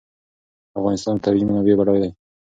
افغانستان په طبیعي منابعو بډای دی.